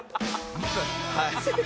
はい。